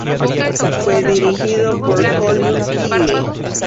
Fue dirigido por Colin Tilley.